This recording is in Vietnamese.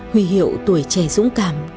huy hiệu tuổi trẻ dũng cảm được